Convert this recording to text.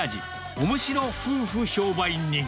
おもしろ夫婦商売人。